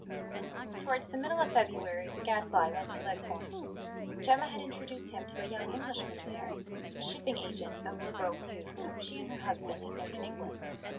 TOWARDS the middle of February the Gadfly went to Leghorn. Gemma had introduced him to a young Englishman there, a shipping agent of liberal views, whom she and her husband had known in England.